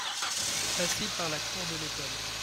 Passer par la cour de l’école.